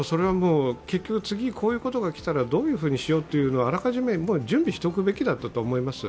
次こういうことがきたら、どういうふうにしようとあらかじめ準備しておくべきだったと思います。